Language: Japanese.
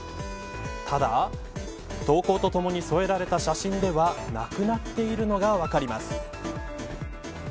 ただ、投稿とともに添えられた写真ではなくなっているのが分かります。